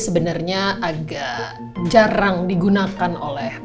sebenarnya agak jarang digunakan oleh